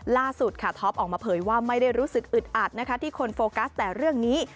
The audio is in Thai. ล่าสุดค่ะท็อปออกมาเผยว่าไม่ได้รู้สึกอึดอัดนะคะที่คนโฟกัสแต่เรื่องนี้